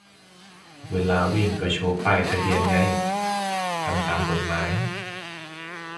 เวลาวิ่งก็โชว์ป้ายทะเบียนไง ทำตามกฎหมาย